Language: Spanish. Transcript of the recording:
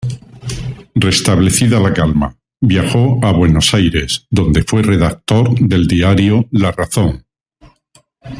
Restablecida la calma, viajó a Buenos Aires, donde fue redactor del diario "La Razón".